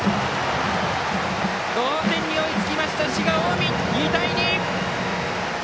同点に追いつきました滋賀・近江、２対２！